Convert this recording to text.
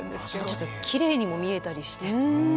ちょっときれいにも見えたりして。